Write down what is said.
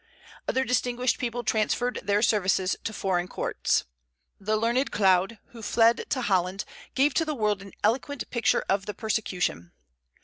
Other distinguished people transferred their services to foreign courts. The learned Claude, who fled to Holland, gave to the world an eloquent picture of the persecution.